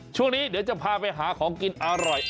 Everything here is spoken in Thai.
ช่วงนี้เดี๋ยวจะพาไปหาของกินอร่อย